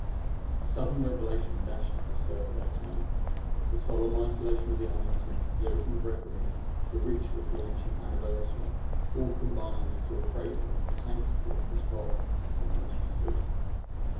A sudden revelation dashed across Servadac's mind. The solemn isolation of the island tomb, the open breviary, the ritual of the ancient anniversary, all combined to apprise him of the sanctity of the spot upon which he stood.